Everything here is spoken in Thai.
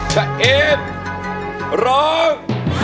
ชะเอดร้อง